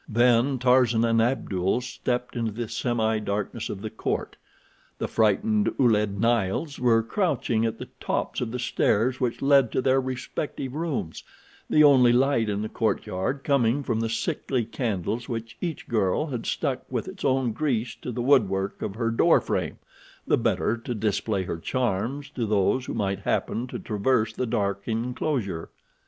Then Tarzan and Abdul stepped into the semidarkness of the court. The frightened Ouled Nails were crouching at the tops of the stairs which led to their respective rooms, the only light in the courtyard coming from the sickly candles which each girl had stuck with its own grease to the woodwork of her door frame, the better to display her charms to those who might happen to traverse the dark inclosure.